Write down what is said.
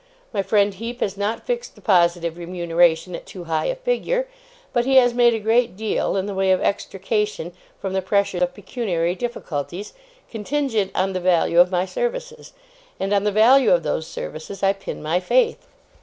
My friend Heep has not fixed the positive remuneration at too high a figure, but he has made a great deal, in the way of extrication from the pressure of pecuniary difficulties, contingent on the value of my services; and on the value of those services I pin my faith.